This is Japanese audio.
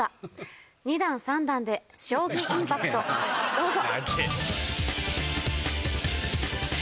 どうぞ。